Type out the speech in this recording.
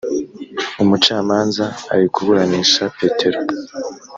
umucamanza arikuburanisha petero